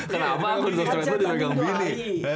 kenapa akun sosmed lu dipegang bini